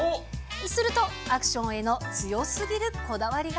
するとアクションへの強すぎるこだわりが。